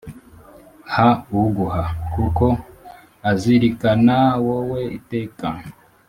ha uguha kuko aazirikana wowe iteka